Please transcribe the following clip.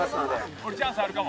これチャンスあるかも。